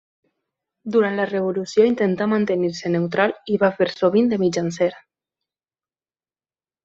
Durant la revolució intentà mantenir-se neutral i va fer sovint de mitjancer.